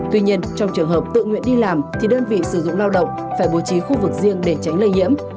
tuy nhiên trong trường hợp tự nguyện đi làm thì đơn vị sử dụng lao động phải bố trí khu vực riêng để tránh lây nhiễm